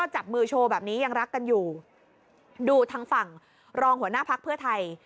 จับมือโชว์แบบนี้ยังรักกันอยู่ดูทางฝั่งรองหัวหน้าพักเพื่อไทย